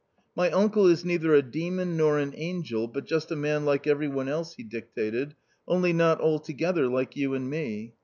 " My uncle is neither a demon, nor an angel, but just a man like every one else," he dictated, " only not altogether like you and me.